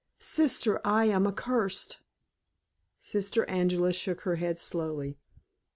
Sister, I am accursed!" Sister Angela shook her head slowly.